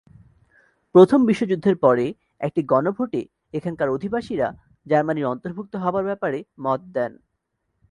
প্রথম বিশ্বযুদ্ধের পরে একটি গণভোটে এখানকার অধিবাসীরা জার্মানির অন্তর্ভুক্ত হবার ব্যাপারে মত দেন।